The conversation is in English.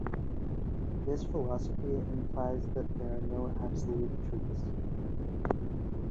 This philosophy implies that there are no absolute "truths".